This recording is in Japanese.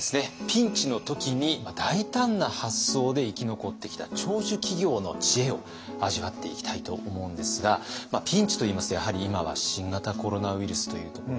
ピンチの時に大胆な発想で生き残ってきた長寿企業の知恵を味わっていきたいと思うんですがピンチといいますとやはり今は新型コロナウイルスというところでしょうね。